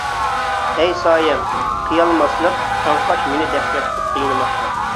ئەي سايەم، قىيالماسلىق، چاڭقاش مېنى دەھشەتلىك قىينىماقتا.